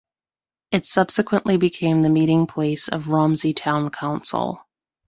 It subsequently became the meeting place of Romsey Town Council.